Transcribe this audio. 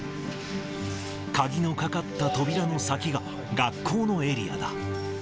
鍵のかかった扉の先が学校のエリアだ。